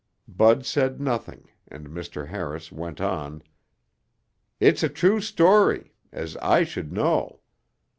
Bud said nothing and Mr. Harris went on, "It's a true story, as I should know.